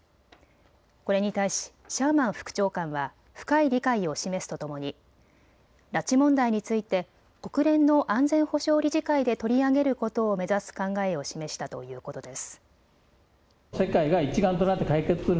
これに対しシャーマン副長官は深い理解を示すとともに拉致問題について国連の安全保障理事会で取り上げることを目指す考えを示したということです。